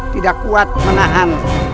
tidak kuat menahan